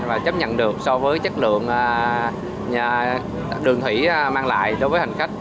và chấp nhận được so với chất lượng đường thủy mang lại đối với hành khách